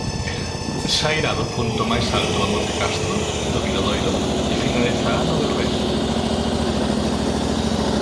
Sairá do punto máis alto do monte Castro, do miradoiro, e finalizará no Berbés.